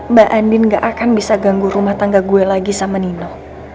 mbak andin gak akan bisa ganggu rumah tangga gue lagi sama nino